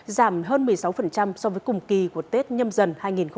giảm hơn một mươi sáu so với cùng kỳ của tết nhâm dần